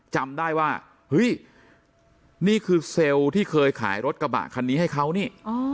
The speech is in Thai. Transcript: จำได้ว่าเฮ้ยนี่คือเซลล์ที่เคยขายรถกระบะคันนี้ให้เขานี่